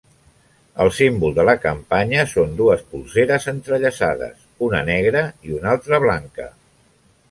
El símbol de la campanya són dues polseres entrellaçades, una negra i una altra blanca.